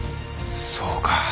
そうか。